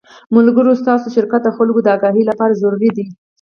ملګرو ستاسو شرکت د خلکو د اګاهۍ له پاره ضروري دے